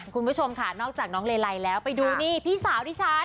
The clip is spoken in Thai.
คุณผู้ชมค่ะนอกจากน้องเลไลแล้วไปดูนี่พี่สาวที่ฉัน